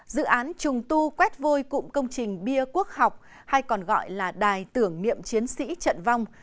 dự án trùng tu quét vôi cụm công trình bia quốc học hay còn gọi là đài tưởng niệm chiến sĩ trận vong